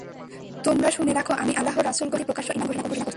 তোমরা শুনে রাখ, আমি আল্লাহর রাসূলগণের প্রতি প্রকাশ্য ঈমান ঘোষণা করছি।